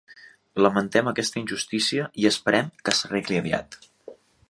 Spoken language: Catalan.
Lamentem aquesta injustícia i esperem que s'arregli aviat.